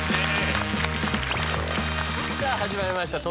さあ始まりました